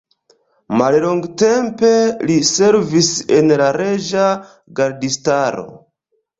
Mallongtempe li servis en la reĝa gardistaro.